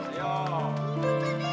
sampai jumpa lagi